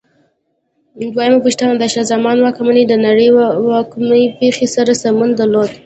دویمه پوښتنه: د شاه زمان واکمنۍ د نړۍ له کومې پېښې سره سمون درلود؟